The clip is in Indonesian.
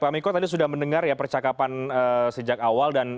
pak miko tadi sudah mendengar percakapan sejak awal